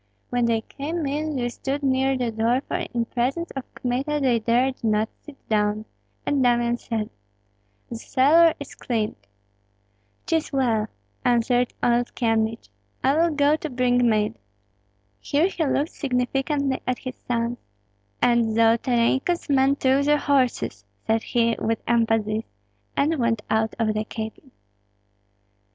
When they came in they stood near the door, for in presence of Kmita they dared not sit down; and Damian said, "The cellar is cleared." "'Tis well," answered old Kyemlich, "I will go to bring mead." Here he looked significantly at his sons. "And Zolotarenko's men took the horses," said he, with emphasis; and went out of the cabin.